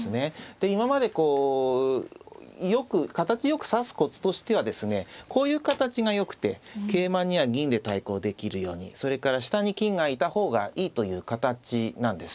で今までこう形よく指すコツとしてはですねこういう形がよくて桂馬には銀で対抗できるようにそれから下に金がいた方がいいという形なんですね。